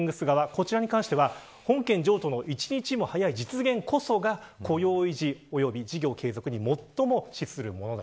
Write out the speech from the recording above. こちらについては本件譲渡の一日も早い実現こそが雇用維持及び事業継続に最も資するものだ